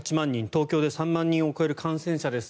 東京で３万人を超える感染者です。